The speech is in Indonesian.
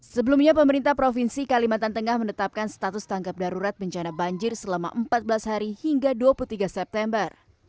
sebelumnya pemerintah provinsi kalimantan tengah menetapkan status tanggap darurat bencana banjir selama empat belas hari hingga dua puluh tiga september